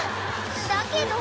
［だけど］